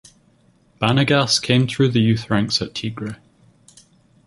Banegas came through the youth ranks at Tigre.